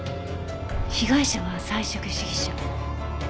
被害者は菜食主義者。